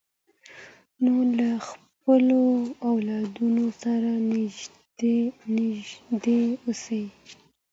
نو له خپلو اولادونو سره نږدې اوسئ.